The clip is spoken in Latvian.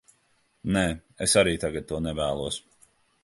Nē, es arī tagad to nevēlos.